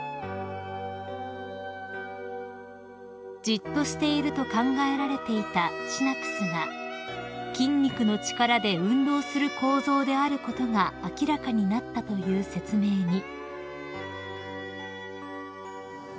［じっとしていると考えられていたシナプスが筋肉の力で運動する構造であることが明らかになったという説明に］